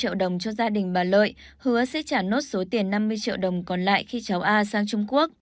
lai đã đưa một trăm linh triệu đồng cho gia đình bà lợi hứa sẽ trả nốt số tiền năm mươi triệu đồng còn lại khi cháu a sang trung quốc